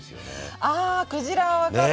あクジラは分かる。